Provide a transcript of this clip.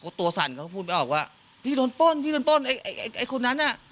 เพราะตัวสั่นเขาพูดมั้ยออกว่าที่โดนปล้นที่โดนปล้นไอ้คนนั้นอ่ะ